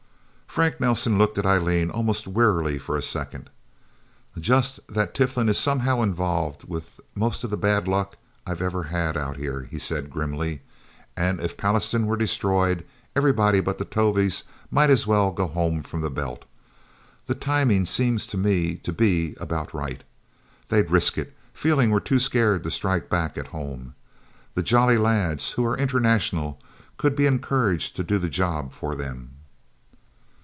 Frank Nelsen looked at Eileen almost wearily for a second. "Just that Tiflin is somehow involved with most of the bad luck that I've ever had out here," he said, grimly. "And if Pallastown were destroyed, everybody but the Tovies might as well go home from the Belt. The timing seems to me to be about right. They'd risk it, feeling we're too scared to strike back at home. The Jolly Lads who are international could be encouraged to do the job for them."